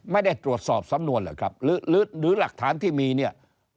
ไม่ได้ตรวจสอบสำนวนเหรอครับหรือหลักฐานที่มีเนี่ย